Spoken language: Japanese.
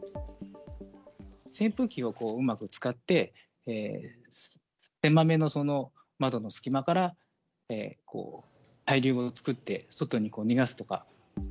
扇風機をうまく使って、狭めの窓の隙間から、対流を作って外に逃がすとか。